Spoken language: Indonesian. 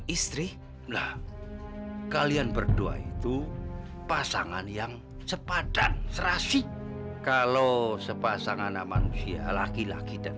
istrilah kalian berdua itu pasangan yang sepadan serasi kalau sepasang anak manusia laki laki dan